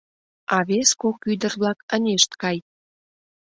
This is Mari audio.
А вес кок ӱдыр-влак ынешт кай.